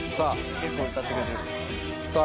結構歌ってくれてるさあ